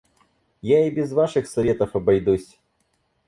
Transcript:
Я и без ваших советов обойдусь!